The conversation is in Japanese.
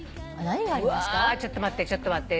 うわちょっと待ってちょっと待って。